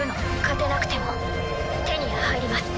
勝てなくても手に入ります。